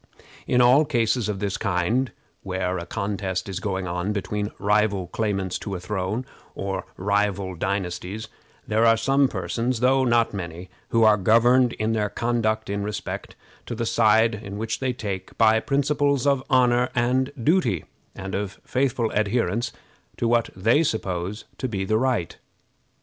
In all cases of this kind, where a contest is going on between rival claimants to a throne, or rival dynasties, there are some persons, though not many, who are governed in their conduct, in respect to the side which they take, by principles of honor and duty, and of faithful adherence to what they suppose to be the right.